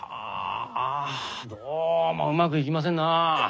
ああどうもうまくいきませんな。